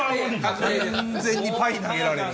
完全にパイ投げられる。